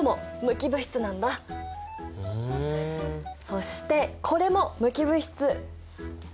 そしてこれも無機物質！